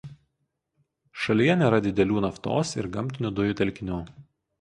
Šalyje nėra didelių naftos ir gamtinių dujų telkinių.